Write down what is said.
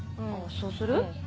そうする？